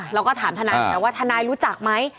เราก็ถามทนายไปว่าทนายรู้จักไหม